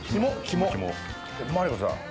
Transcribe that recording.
マリ子さん